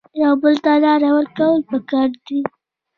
یو بل ته لار ورکول پکار دي